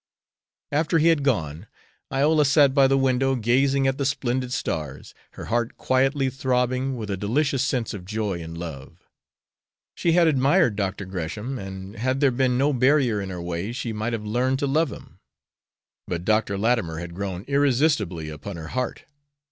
After he had gone, Iola sat by the window, gazing at the splendid stars, her heart quietly throbbing with a delicious sense of joy and love. She had admired Dr. Gresham and, had there been no barrier in her way, she might have learned to love him; but Dr. Latimer had grown irresistibly upon her heart.